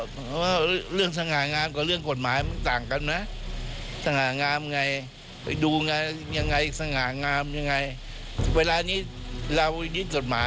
ตรวจหมายเขาว่าอย่างไร